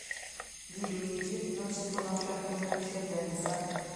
Di Luigi non si conosce alcuna discendenza.